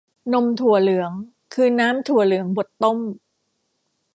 นมถั่วเหลือง คือน้ำถั่วเหลืองบดต้ม